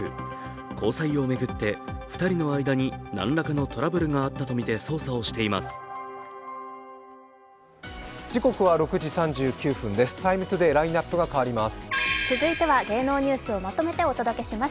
交際を巡って２人の間に何らかのトラブルがあったとみて捜査をしています。